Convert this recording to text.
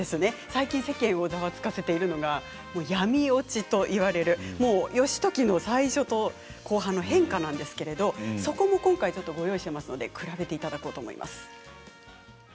最近、世間をざわつかせているのが闇落ちと言われる義時の最初と後半の変化なんですけどそこも今回、ご用意しました比べてください。